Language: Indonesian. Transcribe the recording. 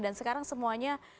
dan sekarang semuanya